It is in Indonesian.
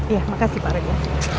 iya makasih pak regar